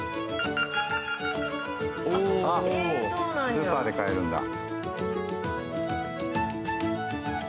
スーパーで買えるんだ。